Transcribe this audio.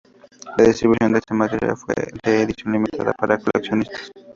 La distribución de este material fue de edición limitada para coleccionistas.